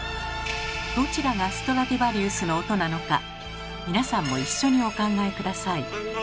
どちらがストラディヴァリウスの音なのか皆さんも一緒にお考えください。